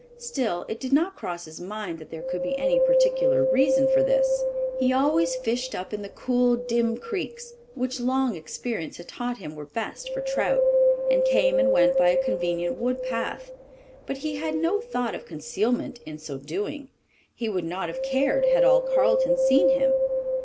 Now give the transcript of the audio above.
Still, it did not cross his mind that there could be any particular reason for this. He always fished up in the cool, dim creeks, which long experience had taught him were best for trout, and came and went by a convenient wood path; but he had no thought of concealment in so doing. He would not have cared had all Carleton seen him.